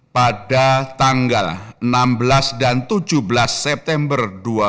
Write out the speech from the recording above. pada tanggal enam belas dan tujuh belas september dua ribu dua puluh